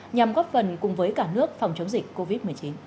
nhằm góp phần cùng với cả nước phòng chống dịch covid một mươi chín